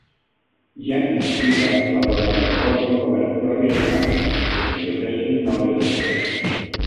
Yiannis Grivas va formar llavors un govern provisional fins que se celebressin noves eleccions.